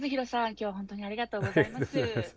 今日は本当にありがとうございます。